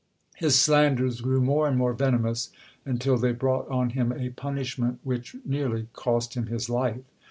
His slanders grew more and more venomous until they brought on him a punishment which nearly cost him his life.